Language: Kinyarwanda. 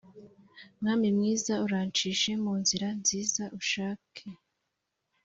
mwami mwiza uranshishe mu nzira ushake